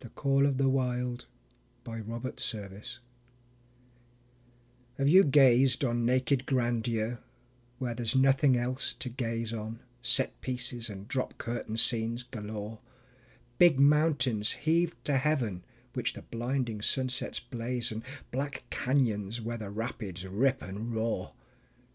The Call of the Wild Have you gazed on naked grandeur where there's nothing else to gaze on, Set pieces and drop curtain scenes galore, Big mountains heaved to heaven, which the blinding sunsets blazon, Black canyons where the rapids rip and roar?